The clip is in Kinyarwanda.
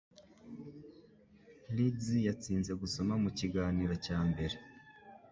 Leeds yatsinze Gusoma mu kiganiro cya mbere